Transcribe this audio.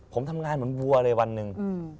ผมทำงานเหมือนวันนึง